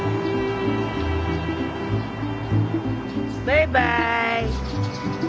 バイバイ。